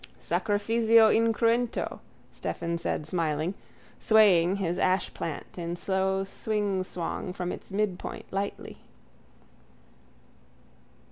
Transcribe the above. _ —Sacrifizio incruento, Stephen said smiling, swaying his ashplant in slow swingswong from its midpoint, lightly.